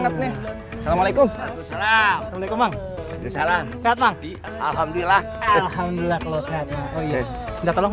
kalau gitu kita bilang dulu ya bang